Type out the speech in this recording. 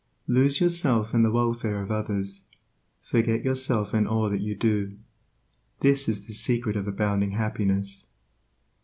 Lose yourself in the welfare of others; forget yourself in all that you do; this is the secret of abounding happiness.